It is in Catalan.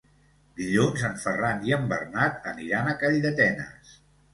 Dilluns en Ferran i en Bernat aniran a Calldetenes.